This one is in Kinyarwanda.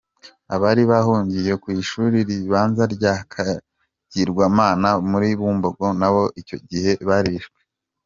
Abari bahungiye ku ishuri ribanza rya Kagirwamana muri Bumbogo nabo icyo gihe barishwe.